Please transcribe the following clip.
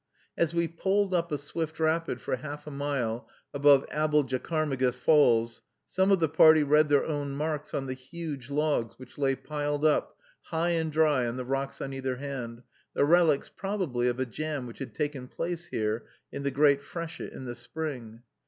As we poled up a swift rapid for half a mile above Aboljacarmegus Falls, some of the party read their own marks on the huge logs which lay piled up high and dry on the rocks on either hand, the relics probably of a jam which had taken place here in the Great Freshet in the spring.